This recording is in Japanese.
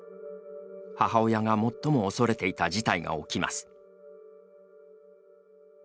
母親が最も恐れていた事態が起きます。